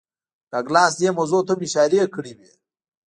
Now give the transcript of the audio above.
ډاګلاس دې موضوع ته هم اشارې کړې وې